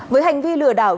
với hành vi lừa đảo